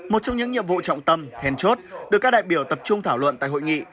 một trong những nhiệm vụ trọng tâm thèn chốt được các đại biểu tập trung thảo luận tại hội nghị